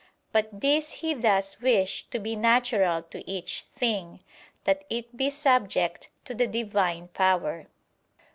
But this He does wish to be natural to each thing that it be subject to the Divine power.